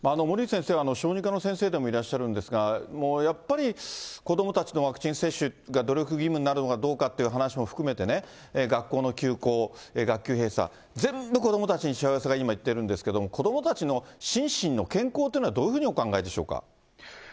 森内先生は小児科の先生でもいらっしゃるんですが、もうやっぱり子どもたちのワクチン接種が努力義務になるのがどうかっていう話も含めてね、学校の休校、学級閉鎖、全部子どもたちにしわ寄せが今、いってるんですけれども、子どもたちの心身の健康っていうのは、どういうふうにお考えでしょうか。